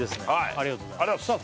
ありがとうございますさあ